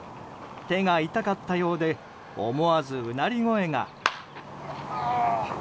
手が痛かったようで思わずうなり声が。